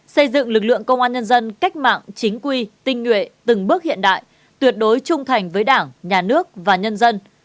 xây dựng lực lượng công an nhân dân cách mạng chính quy tinh nguyện từng bước hiện đại tuyệt đối trung thành với đảng nhà nước và nhân dân